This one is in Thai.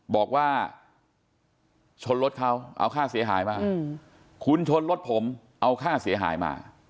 บอกว่าชนรถเขาเอาค่าเสียหายมาคุณชนรถผมเอาค่าเสียหายมา